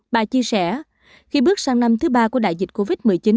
bà chia sẻ khi bước sang năm thứ ba của đại dịch covid một mươi chín